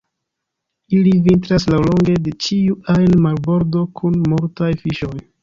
Ili vintras laŭlonge de ĉiu ajn marbordo kun multaj fiŝoj.